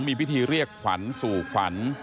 มีพิธีเรียกขวัญสู่ขวัญ